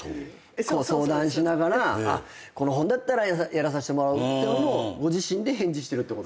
相談しながらこの本だったらやらせてもらうっていうのもご自身で返事してるってこと？